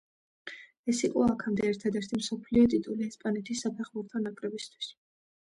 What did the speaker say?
ეს იყო აქამდე ერთადერთი მსოფლიო ტიტული ესპანეთის საფეხბურთო ნაკრებისთვის.